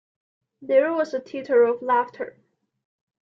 There was a titter of laughter.